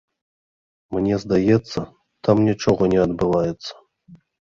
Мне здаецца, там нічога не адбываецца.